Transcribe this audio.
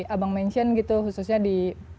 abang mention gitu khususnya di